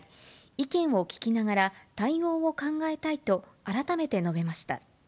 意見を聞きながら、対応を考えたいと、改めて述べました。